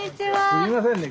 すみませんね